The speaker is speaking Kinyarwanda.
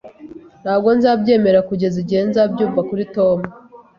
Ntabwo nzabyemera kugeza igihe nzabyumva kuri Tom